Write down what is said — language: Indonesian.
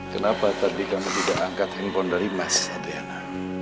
kenapa tadi kamu tidak angkat handphone dari mas satyana